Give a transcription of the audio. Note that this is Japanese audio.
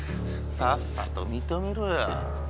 さっさと認めろよ。